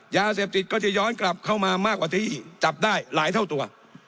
ยาเสพติดก็จะย้อนกลับเข้ามามากกว่าที่จับได้หลายเท่าตัว